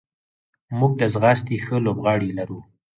موږ د ځغاستې ښه لوبغاړي لرو.